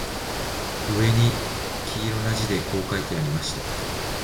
上に黄色な字でこう書いてありました